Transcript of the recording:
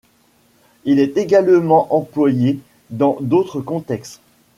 Il est également employé dans d'autres contextes.